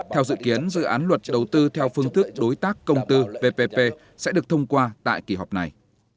theo dự kiến dự án luật đầu tư theo phương thức đối tác công tư ppp sẽ được thông qua tại kỳ họp này